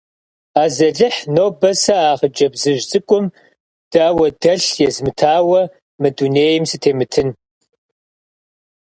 Азалыхь, нобэ сэ а хъыджэбзыжь цӀыкӀум дауэдэлъ езмытауэ мы дунейм сытемытын.